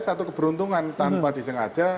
satu keberuntungan tanpa disengaja